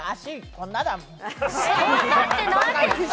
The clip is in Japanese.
「こんな」って何ですか！？